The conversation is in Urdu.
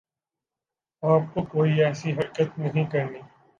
آپ کو کوئی ایسی حرکت نہیں کرنی